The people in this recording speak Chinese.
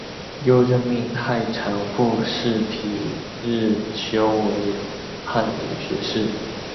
又任命太常博士皮日休为翰林学士。